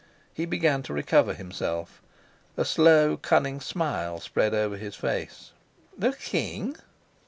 He began to recover himself. A slow, cunning smile spread over his face. "The king?"